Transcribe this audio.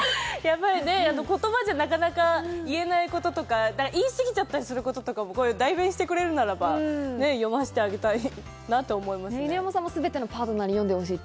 言葉じゃなかなか言えないこととか言い過ぎちゃったりすることとかを代弁してくれるならば読ませてあげたいなと思いますね。